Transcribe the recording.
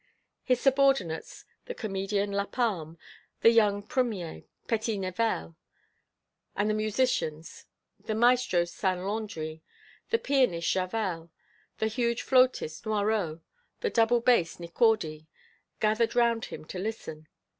His subordinates, the comedian Lapalme, the young premier Petitnivelle, and the musicians, the maestro Saint Landri, the pianist Javel, the huge flautist Noirot, the double bass Nicordi, gathered round him to listen.